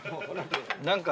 何か。